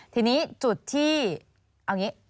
ทีนี้จุดที่เอาอย่างนี้